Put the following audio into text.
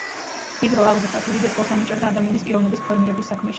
დიდრო აღზრდას უდიდეს როლს ანიჭებდა ადამიანის პიროვნების ფორმირების საქმეში.